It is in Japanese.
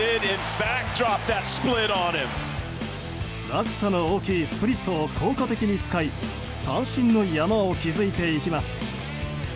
落差の大きいスプリットを効果的に使い三振の山を築いていきます。